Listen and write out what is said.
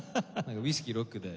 ウイスキーロックで。